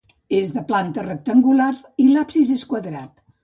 És de planta rectangular, i l'absis és quadrat.